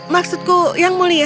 maksudku yang mulia